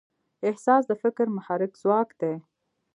احساس د فکر محرک ځواک دی.